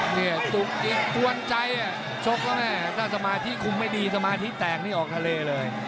นี่จุกจิกกวนใจชกนะแม่หากสมาธิคุ้มไม่ดีสมาธิแตงนี่ออกทะเลเลย